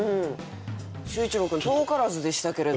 秀一郎君遠からずでしたけれども。